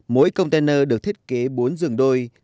mỗi container được thiết kế bốn giường đôi